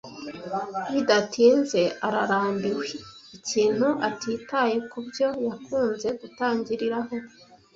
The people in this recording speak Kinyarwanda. Bidatinze ararambiwe ikintu atitaye kubyo yakunze gutangiriraho.